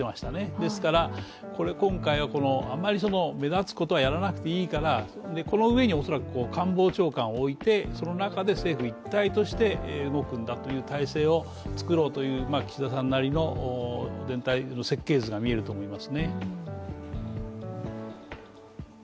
ですから今回はあんまり目立つことはやらなくていいから、この上に恐らく官房長官を置いてその中で政府一体として動くんだという体制を作ろうという岸田さんなりの全体の設計図が見えると思います。